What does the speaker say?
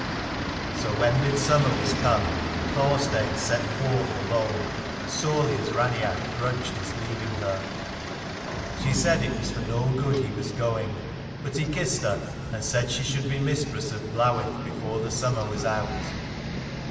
So when mid summer was come, Thorstein set forth alone, sorely as Raineach grudged his 280 leaving her. She said it was for no good he was going. But he kissed her, and said she should be mistress of Blawith before the summer was out.